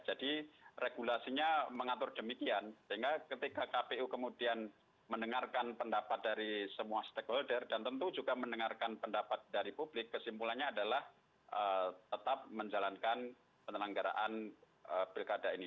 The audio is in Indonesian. jadi regulasinya mengatur demikian sehingga ketika kpu kemudian mendengarkan pendapat dari semua stakeholder dan tentu juga mendengarkan pendapat dari publik kesimpulannya adalah tetap menjalankan penelenggaraan pilkada ini